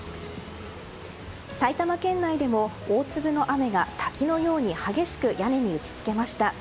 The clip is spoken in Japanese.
埼玉県内でも大粒の雨が滝のように激しく屋根に打ち付けました。